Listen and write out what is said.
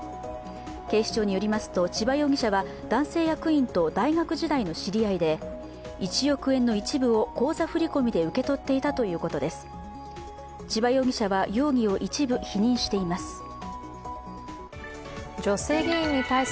警視庁によりますと、千葉容疑者は男性役員と大学時代の知り合いで１億円の一部を口座振り込みで受け取っていたということです。